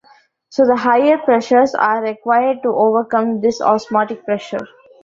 So the higher pressures are required to overcome this osmotic pressure.